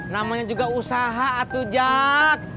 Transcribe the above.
namanya juga usaha atau jak